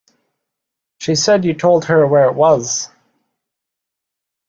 She said you told her where it was.